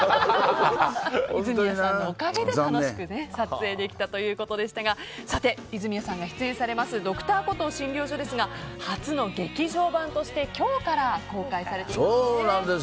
泉谷さんのおかげで楽しく撮影できたということでしたが泉谷さんが出演されます「Ｄｒ．コトー診療所」ですが初の劇場版として今日から公開されています。